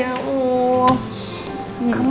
aduh udah sayang